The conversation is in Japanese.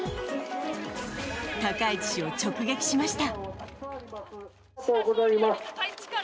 高市氏を直撃しました。